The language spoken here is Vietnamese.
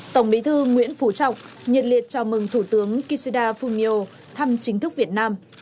tổng bí thư nguyễn phú trọng nhiệt liệt chào mừng thủ tướng kishida fumio thăm chính thức việt nam